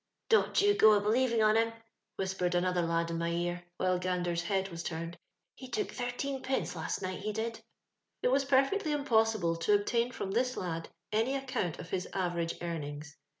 " Don'tyougoa believingon him," whispered another lad in my ear, whilst Gander's head was turned :he took thirteenpence last night, he did. It was perfectly impossible to obtain from this lad any account of his average earnings.